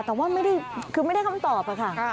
แต่ว่าไม่ได้คำตอบค่ะ